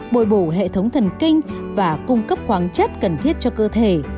bồi bổ hệ thống thần kinh và cung cấp khoáng chất cần thiết cho cơ thể